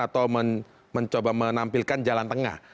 atau mencoba menampilkan jalan tengah